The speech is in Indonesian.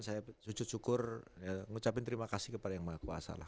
saya sujud syukur ngucapin terima kasih kepada yang maha kuasa lah